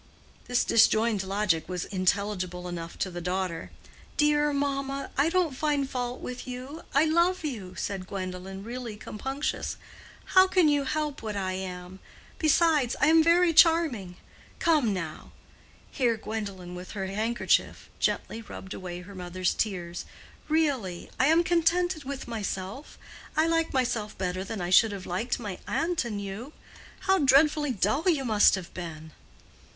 This disjoined logic was intelligible enough to the daughter. "Dear mamma, I don't find fault with you—I love you," said Gwendolen, really compunctious. "How can you help what I am? Besides, I am very charming. Come, now." Here Gwendolen with her handkerchief gently rubbed away her mother's tears. "Really—I am contented with myself. I like myself better than I should have liked my aunt and you. How dreadfully dull you must have been!"